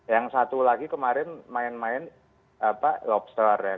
yang satu lagi kemarin main main lobster ya